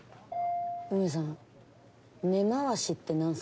ウメさん「根回し」って何すか？